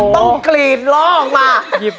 ต้องกรีดล้อออกมา